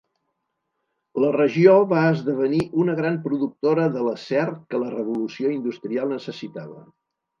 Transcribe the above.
La regió va esdevenir una gran productora de l'acer que la Revolució Industrial necessitava.